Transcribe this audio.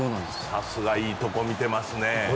さすがいいところ見ていますね。